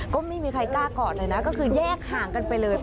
ก็ไม่มีใครกล้ากอดเลยนะก็คือแยกห่างกันไปเลย